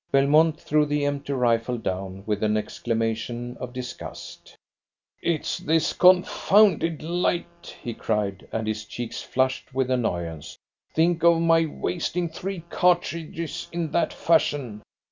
Belmont threw the empty rifle down, with an exclamation of disgust. "It's this confounded light," he cried, and his cheeks flushed with annoyance. "Think of my wasting three cartridges in that fashion!